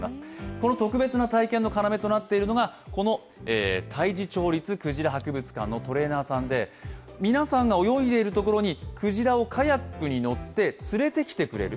この特別な体験の要となっているのが太地町立くじらの博物館のトレーナーさんで皆さんが泳いでいるところにクジラを、カヤックに乗って連れてきてくれる。